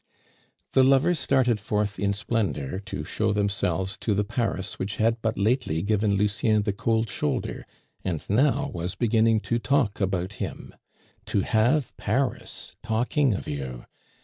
The lovers started forth in splendor to show themselves to the Paris which had but lately given Lucien the cold shoulder, and now was beginning to talk about him. To have Paris talking of you!